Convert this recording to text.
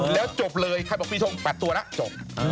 แล้วจบเลยใครบอกปีชง๘ตัวนะจบ